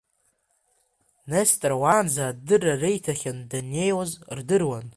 Нестор уаанӡа адырра риҭахьан, даннеиуаз рдыруан.